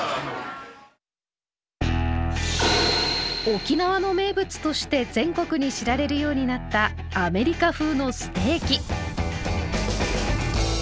沖縄の名物として全国に知られるようになったアメリカ風のステーキ。